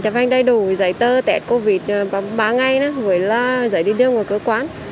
chấp hành đầy đủ giấy tơ tẹt covid một mươi chín ba ngày với giấy đi đưa ngoài cơ quan